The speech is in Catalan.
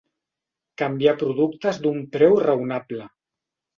Canviar productes d'un preu raonable.